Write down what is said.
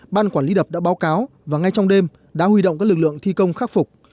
ban quản lý đập đã báo cáo và ngay trong đêm đã huy động các lực lượng thi công khắc phục